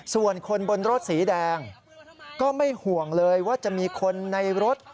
ส่วนคนบนรถสีแดงก็ไม่ห่วงเลยว่าจะมีคนในรถ